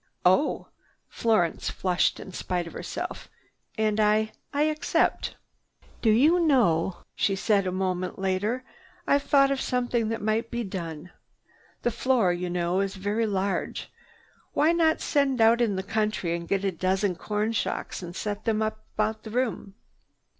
"Oh!" Florence flushed in spite of herself. "And I—I accept. "Do you know," she said a moment later, "I've thought of something that might be done. The floor, you know, is very large. Why not send out in the country and get a dozen corn shocks and set them up about the room?"